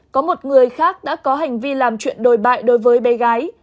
có một người khác đã có hành vi làm chuyện đồi bại đối với bé gái